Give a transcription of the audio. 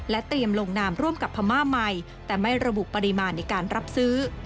เตรียมลงนามร่วมกับพม่าใหม่แต่ไม่ระบุปริมาณในการรับซื้อ